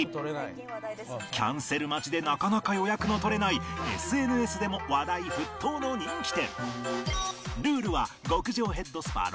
キャンセル待ちでなかなか予約の取れない ＳＮＳ でも話題沸騰の人気店